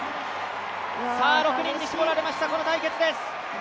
６人に絞られました、この対決です。